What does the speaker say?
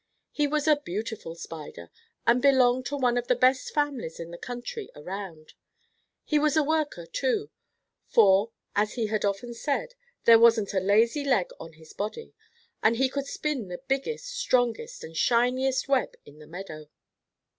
He was a beautiful Spider, and belonged to one of the best families in the country around. He was a worker, too, for, as he had often said, there wasn't a lazy leg on his body, and he could spin the biggest, strongest, and shiniest web in the meadow.